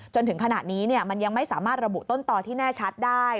จนถึงขณะนี้มันยังไม่สามารถระบุต้นต่อที่แน่ชัดได้